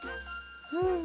うん！